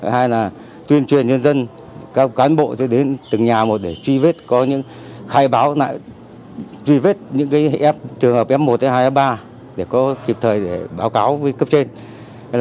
hai là tuyên truyền nhân dân các cán bộ cho đến từng nhà một để truy vết có những khai báo truy vết những trường hợp f một f hai f ba để có kịp thời để báo cáo với cấp trên